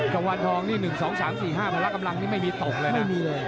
ประมาณ๓๔๕มันอนละกำลังไม่มีตกเลยนะ